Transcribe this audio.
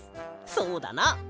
そうだな！